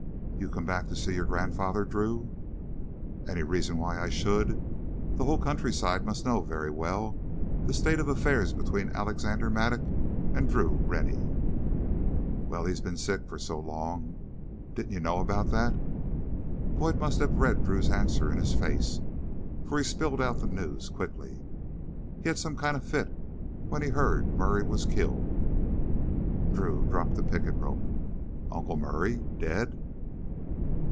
"You come back to see your grandfather, Drew?" "Any reason why I should?" The whole countryside must know very well the state of affairs between Alexander Mattock and Drew Rennie. "Well, he's been sick for so long.... Didn't you know about that?" Boyd must have read Drew's answer in his face, for he spilled out the news quickly. "He had some kind of a fit when he heard Murray was killed " Drew dropped the picket rope. "Uncle Murray ... dead?"